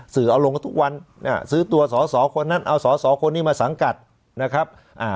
เอาลงกันทุกวันซื้อตัวสอสอคนนั้นเอาสอสอคนนี้มาสังกัดนะครับ